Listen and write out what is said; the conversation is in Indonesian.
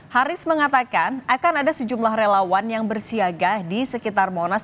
haris mengatakan akan ada sejumlah relawan yang bersiaga di sekitar monas